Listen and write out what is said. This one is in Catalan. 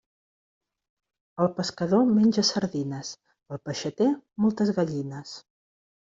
El pescador menja sardines; el peixater, moltes gallines.